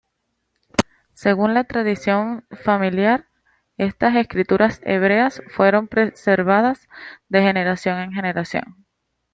Según la tradición familiar, estas escrituras hebreas fueron preservadas de generación en generación.